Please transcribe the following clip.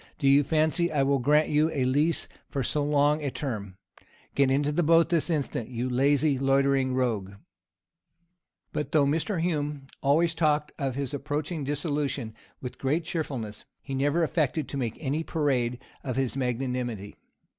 Do you fancy I will grant you a lease for so long a term? Get into the boat this instant, you lazy, loitering rogue.'" But, though Mr. Hume always talked of his approaching dissolution with great cheerfulness, he never affected to make any parade of his magnanimity.